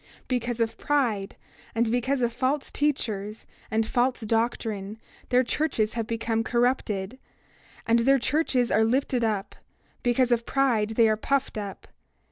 28:12 Because of pride, and because of false teachers, and false doctrine, their churches have become corrupted, and their churches are lifted up; because of pride they are puffed up.